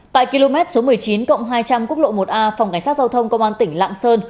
tại km số một mươi chín cộng hai trăm linh quốc lộ một a phòng cảnh sát giao thông công an tỉnh lạng sơn